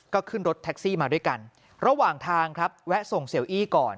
ก็ขึ้นรถแท็กซี่มาด้วยกันระหว่างทางครับแวะส่งเสียวอี้ก่อน